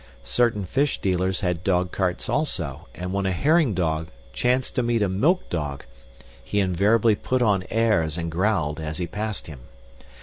Certain fish dealers had dogcarts, also, and when a herring dog chanced to meet a milk dog, he invariably put on airs and growled as he passed him.